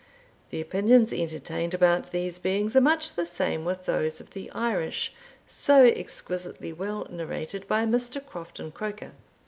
The opinions entertained about these beings are much the same with those of the Irish, so exquisitely well narrated by Mr. Crofton Croker.